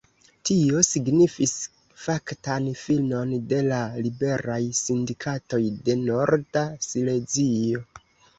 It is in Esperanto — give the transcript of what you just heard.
Tio signifis faktan finon de la Liberaj Sindikatoj de Norda Silezio.